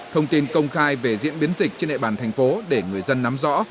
thông tin công khai về diễn biến dịch trên địa bàn thành phố để người dân nắm rõ